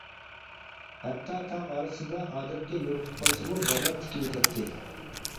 ھەتتا تاغ ئارىسىدا ئادەمگە يولۇقۇپ قالسىمۇ بەدەر تىكىۋېتەتتى.